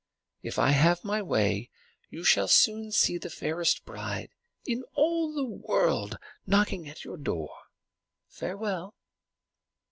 If I have my way, you shall soon see the fairest bride in all the world knocking at your door. Farewell!"